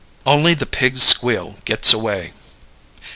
Only the Pig's Squeal Gets Away.